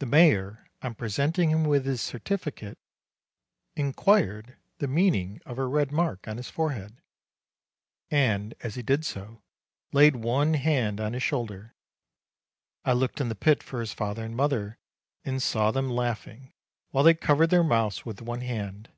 The mayor, on presenting him with his certificate, inquired the meaning of a red mark on his forehead, and as he did so, laid one hand on his shoulder. I looked in the pit for his father and mother, and saw them laughing, while they covered their mouths with one hand.